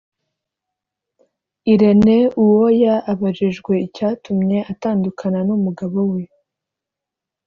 Irene Uwoya abajijwe icyatumye atandukana n’umugabo we